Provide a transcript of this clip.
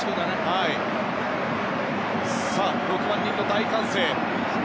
さあ、６万人の大歓声。